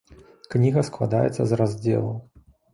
Кніга складаецца з раздзелаў.